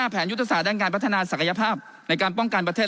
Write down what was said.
แผนยุทธศาสตร์ด้านการพัฒนาศักยภาพในการป้องกันประเทศ